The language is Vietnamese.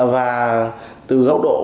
và từ góc độ